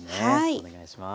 お願いします。